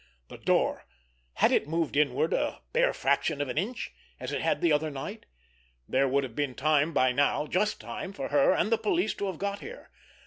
The door! Had it moved inward a bare fraction of an inch, as it had that other night? There would have been time by now, just time, for her and the police to have got here.